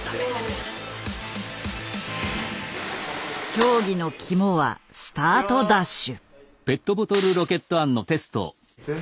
競技の肝はスタートダッシュ。